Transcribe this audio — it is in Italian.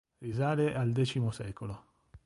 Risale al X secolo.